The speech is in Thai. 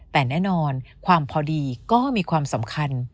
แต่แน่นอนความพอดีก็มีความสำคัญ